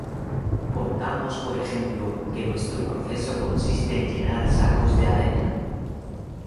Pongamos, por ejemplo, que nuestro proceso consiste en llenar sacos de arena.